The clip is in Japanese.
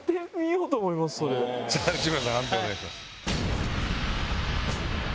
内村さん判定をお願いします。